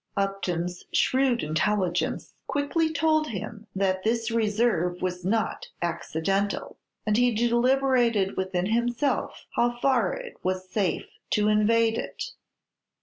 Upton's shrewd intelligence quickly told him that this reserve was not accidental; and he deliberated within himself how far it was safe to invade it.